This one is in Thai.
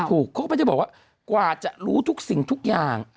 ถูกเขาก็จะบอกว่ากว่าจะรู้ทุกสิ่งทุกอย่าง